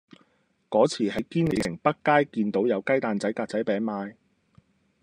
嗰次喺堅尼地城北街見到有雞蛋仔格仔餅賣